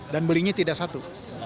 dan belinya tidak satu